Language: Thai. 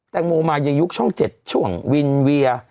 แตงโมมาในยุคช่อง๗ช่วงวินเวีย